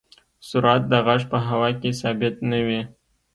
سرعت د غږ په هوا کې ثابت نه وي.